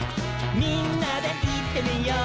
「みんなでいってみよう」